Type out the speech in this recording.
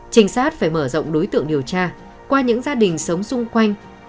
trinh sát phải mở rộng đối tượng điều tra qua những gia đình sống xung quanh